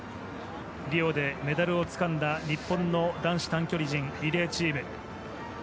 リオでメダルをつかんだ日本の男子短距離陣リレーチーム。